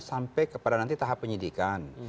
sampai kepada nanti tahap penyidikan